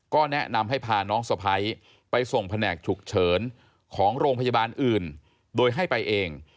ก็แนะนำให้พาน้องสะพ้ายไปส่งแผนกฉุกเฉินของโรงพยาบาลอื่นโดยให้ไปเอง